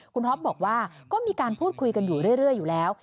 คุณท็อปบอกว่าก็มีการพูดคุยกันอยู่เรื่อยอยู่แล้ว